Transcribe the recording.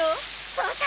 そうか！